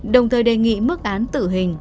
đồng thời đề nghị mức án tử hình